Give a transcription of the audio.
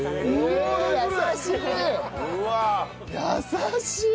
優しい！